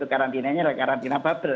karantinanya adalah karantina bubble